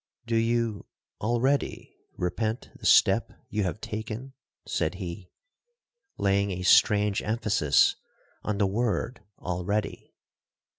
'Do you already repent the step you have taken?' said he, laying a strange emphasis on the word—already.